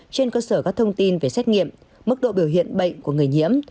trên cơ sở các thông tin về xét nghiệm mức độ biểu hiện bệnh của người nhiễm